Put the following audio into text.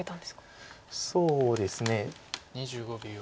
そうですね。